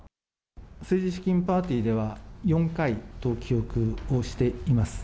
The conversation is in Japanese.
政治資金パーティーでは４回と記憶をしています。